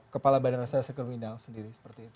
kepala badan reserse kriminal sendiri